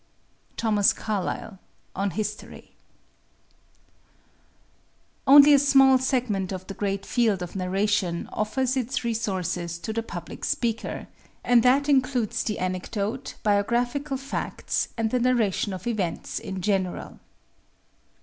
THOMAS CARLYLE, On History. Only a small segment of the great field of narration offers its resources to the public speaker, and that includes the anecdote, biographical facts, and the narration of events in general.